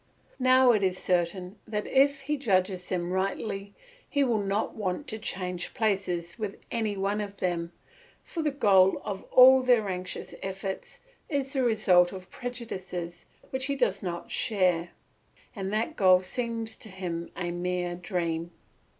Now it is certain that if he judges them rightly he will not want to change places with any one of them, for the goal of all their anxious efforts is the result of prejudices which he does not share, and that goal seems to him a mere dream.